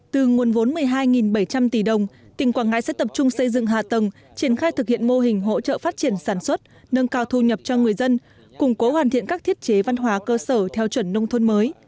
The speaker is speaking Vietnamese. từ nguồn vốn một mươi hai bảy trăm linh tỷ đồng tỉnh quảng ngãi sẽ tập trung xây dựng hạ tầng triển khai thực hiện mô hình hỗ trợ phát triển sản xuất nâng cao thu nhập cho người dân củng cố hoàn thiện các thiết chế văn hóa cơ sở theo chuẩn nông thôn mới